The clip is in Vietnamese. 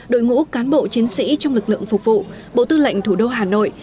đội ngũ cán bộ chiến sĩ trong lực lượng phục vụ bộ tư lệnh thủ đô hà nội